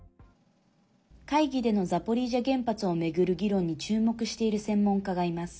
会議でのザポリージャ原発を巡る議論に注目している専門家がいます。